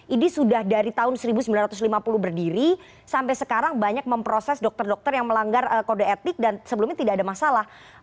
ini sudah dari tahun seribu sembilan ratus lima puluh berdiri sampai sekarang banyak memproses dokter dokter yang melanggar kode etik dan sebelumnya tidak ada masalah